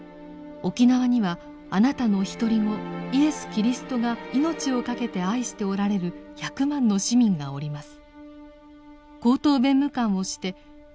沖縄にはあなたのひとり子イエス・キリストが命をかけて愛しておられる百万の市民がおります」。